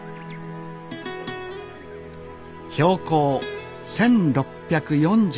標高１，６４３ｍ。